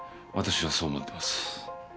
私はそう思ってます。